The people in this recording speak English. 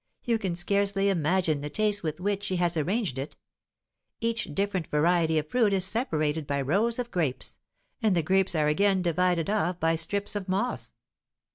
You can scarcely imagine the taste with which she has arranged it; each different variety of fruit is separated by rows of grapes, and the grapes are again divided off by strips of moss."